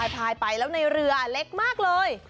พายไปแล้วในเรือเล็กมากเลย